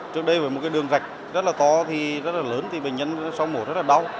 trước đây với một cái đường rạch rất là to thì rất là lớn thì bệnh nhân sau mổ rất là đau